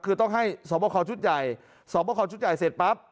คือต้องให้สวบคอชุดใหญ่สอบประคอชุดใหญ่เสร็จปั๊บ